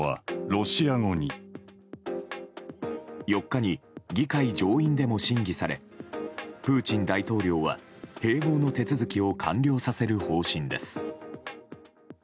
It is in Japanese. ４日に議会上院でも審議されプーチン大統領は併合の手続きを完了させる方針です。